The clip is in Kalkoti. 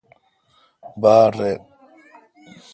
باڑ رین۔